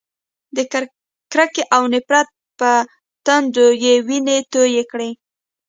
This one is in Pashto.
د کرکې او نفرت په تندو یې وینې تویې کړې.